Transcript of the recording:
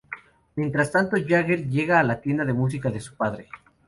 Mientras tanto, Jagger llega a la tienda de musica de su padre.